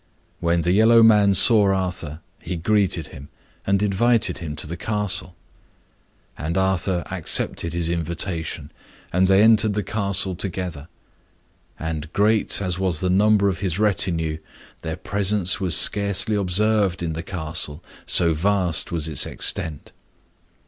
When the yellow man saw Arthur, he greeted him, and invited him to the castle. And Arthur accepted his invitation, and they entered the castle together. And great as was the number of his retinue, their presence was scarcely observed in the castle, so vast was its extent.